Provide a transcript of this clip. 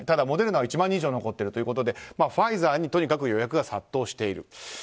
モデルナは１万人分以上残っているということでファイザーにとにかく予約が殺到している。